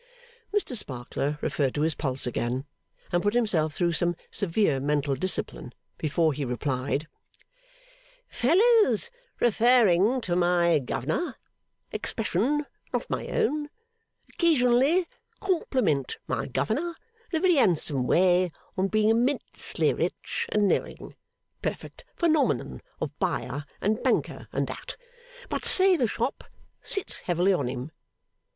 Mr Sparkler referred to his pulse again, and put himself through some severe mental discipline before he replied: 'Fellers referring to my Governor expression not my own occasionally compliment my Governor in a very handsome way on being immensely rich and knowing perfect phenomenon of Buyer and Banker and that but say the Shop sits heavily on him.